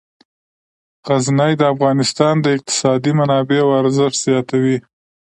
غزني د افغانستان د اقتصادي منابعو ارزښت زیاتوي.